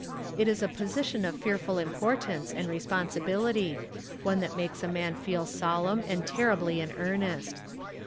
It is a position of fearful importance and responsibility, one that makes a man feel solemn and terribly in earnest.